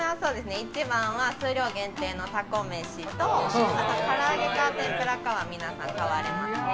一番は数量限定のたこ飯とあと、から揚げと天ぷらは皆さん、買われますね。